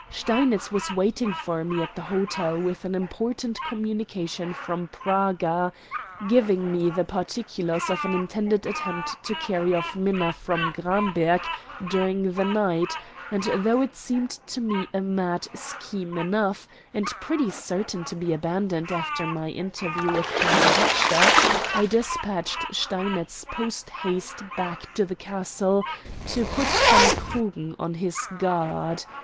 Steinitz was waiting for me at the hotel with an important communication from Praga, giving me the particulars of an intended attempt to carry off Minna from Gramberg during the night; and though it seemed to me a mad scheme enough, and pretty certain to be abandoned after my interview with Baron Heckscher, I despatched Steinitz post haste back to the castle to put von Krugen on his guard.